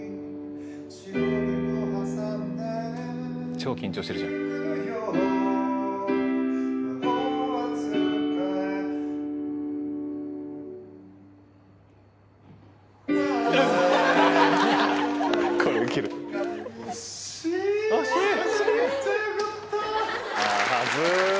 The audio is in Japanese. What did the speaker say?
超緊張してるじゃん。恥ず。